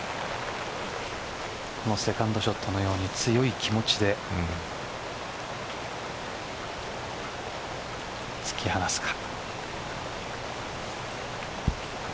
このセカンドショットのように強い気持ちで突き放すか。